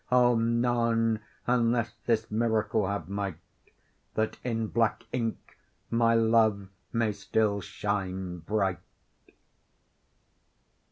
O! none, unless this miracle have might, That in black ink my love may still shine bright.